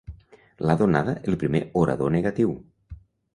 L'ha donada el primer orador negatiu.